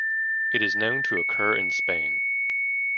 It is known to occur in Spain.